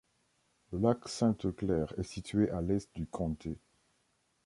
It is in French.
Le lac Sainte-Claire est situé à l'est du comté.